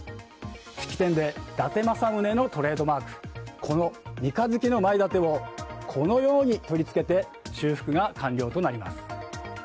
式典で伊達政宗のトレードマークこの三日月の舞伊達をこのように取り付けて修復が完了となります。